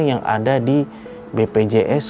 yang ada di bpjs